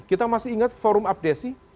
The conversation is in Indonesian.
kita masih ingat forum abdesi